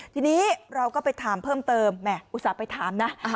ทีนี้เราก็ไปถามเพิ่มเติมแหมอุตส่าห์ไปถามนะ